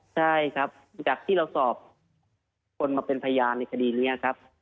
ใช่ครับจากที่เราสอบคนมาเป็นพยานในคดีนี้ครับ